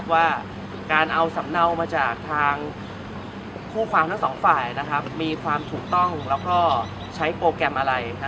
ว่าการเอาสำเนามาจากทางคู่ความทั้งสองฝ่ายมีความถูกต้องแล้วก็ใช้โปรแกรมอะไร